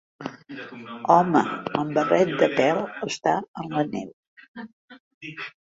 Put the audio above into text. Home amb barret de pèl està en la neu